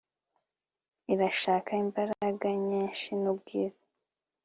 irashaka imbaraga nyinshi nubwiza